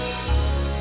termanya tadi bohong